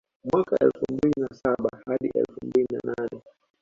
Mwaka elfu mbili na saba hadi elfu mbili na nane